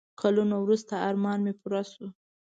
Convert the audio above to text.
کلونه وروسته ارمان مې پوره شو.